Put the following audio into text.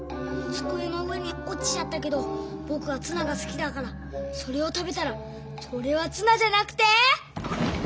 つくえの上におちちゃったけどぼくはツナがすきだからそれを食べたらそれはツナじゃなくて。